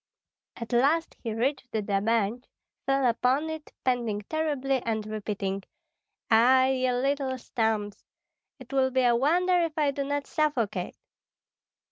At last he reached the bench, fell upon it, panting terribly and repeating, "Ah, ye little stumps! It will be a wonder if I do not suffocate."